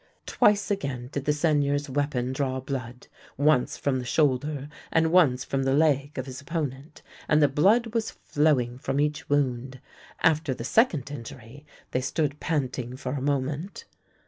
Twice again did the Seigneur's weapon draw blood, once from the shoulder and once from the leg of his opponent, and the blood was flow ing from each wound. After the second injury they stood panting for a moment.